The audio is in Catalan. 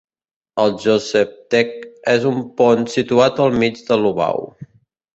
El "Josefsteg" és un pont situat al mig de Lobau.